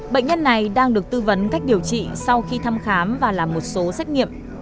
bệnh nhân này đang được tư vấn cách điều trị sau khi thăm khám và làm một số xét nghiệm